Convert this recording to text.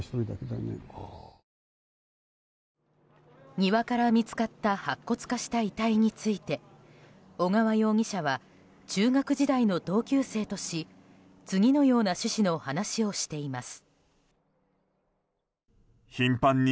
庭から見つかった白骨化した遺体について小川容疑者は中学時代の同級生とし次のような趣旨の話をしています。